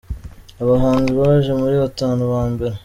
Abahanzi baje muri batanu ba mbere